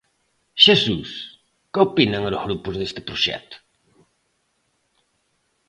Xesús, que opinan os grupos deste proxecto?